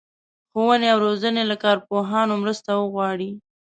ښوونې او روزنې له کارپوهانو مرسته وغواړي.